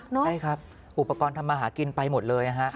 ใช่ครับอุปกรณ์ทำมาหากินไปหมดเลยนะฮะ